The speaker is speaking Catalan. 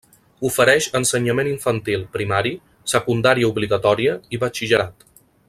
Ofereix ensenyament infantil, primari, secundària obligatòria i batxillerat.